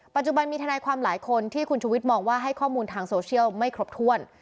ปัจจุบันมีทนายความหลายคนที่คุณชุวิตมองว่าให้ข้อมูลทางโซเชียลไม่ครบถ้วน